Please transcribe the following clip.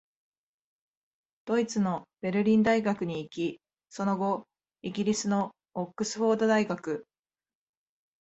ドイツのベルリン大学に行き、その後、イギリスのオックスフォード大学、